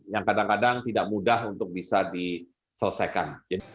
yang kadang kadang tidak mudah untuk bisa diselesaikan